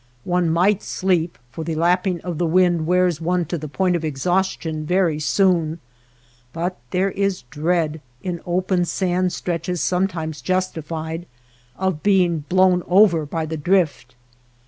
One might sleep, for the lapping of the wind wears one to the point of exhaustion very soon, but there is dread, in open sand stretches some times justified, of being over blown by the drift.